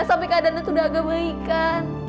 sampai keadaannya sudah agak baik kan